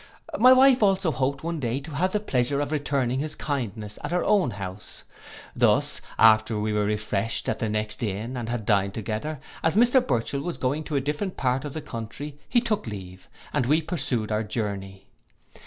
My wife also hoped one day to have the pleasure of returning his kindness at her own house. Thus, after we were refreshed at the next inn, and had dined together, as Mr Burchell was going to a different part of the country, he took leave; and we pursued our journey.